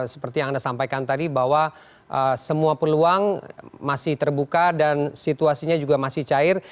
seperti yang anda sampaikan tadi bahwa semua peluang masih terbuka dan situasinya juga masih cair